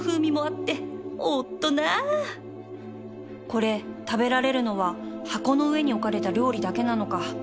これ食べられるのは箱の上に置かれた料理だけなのか